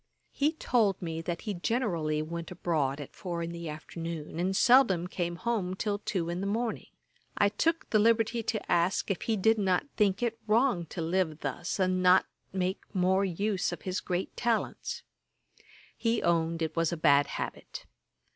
He told me, that he generally went abroad at four in the afternoon, and seldom came home till two in the morning. I took the liberty to ask if he did not think it wrong to live thus, and not make more use of his great talents. He owned it was a bad habit.